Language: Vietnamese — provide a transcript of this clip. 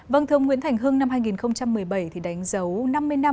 vâng thưa ông nguyễn thành hưng năm hai nghìn một mươi bảy thì đánh dấu năm mươi năm